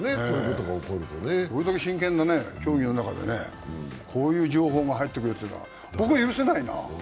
これだけ真剣な競技の中でこういう情報が入ってくるっていうのは僕は許せないな。